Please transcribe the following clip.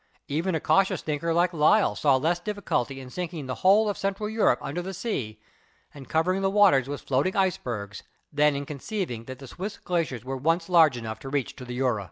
Even a cautious thinker like Lyell saw less difficulty in sinking the whole of Central Europe under the sea, and covering the waters with floating ice bergs, than in conceiving that the Swiss glaciers were once large enough to reach to the Jura.